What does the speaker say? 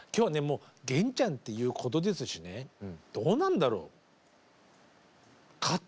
もう源ちゃんっていうことですしねどうなんだろう？